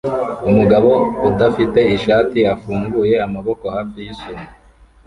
Umugabo udafite ishati afunguye amaboko hafi yisumo